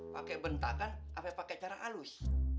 pake bentakan apa pake cara halus